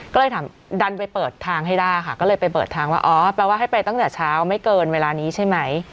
ก็เลยถามดันไปเปิดทางให้ได้ค่ะก็เลยไปเปิดทางว่าอ๋อแปลว่าให้ไปตั้งแต่เช้าไม่เกินเวลานี้ใช่ไหม